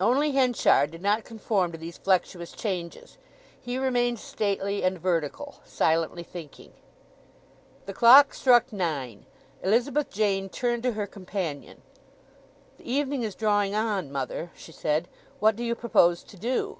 Only Henchard did not conform to these flexuous changes; he remained stately and vertical, silently thinking. The clock struck nine. Elizabeth Jane turned to her companion. "The evening is drawing on, mother," she said. "What do you propose to do?"